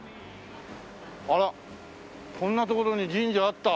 あらこんな所に神社あった？